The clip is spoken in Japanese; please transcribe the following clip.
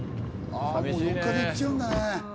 ああもう４日で行っちゃうんだね。